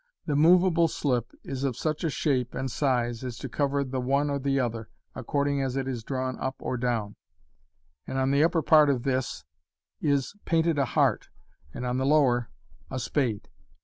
The move, able slip is of such a shape and size as to cover the one or the other, according as it is drawn up or down; and on the upper part of this (ste Fig. 57) is painted a heart, and on the lower a spade.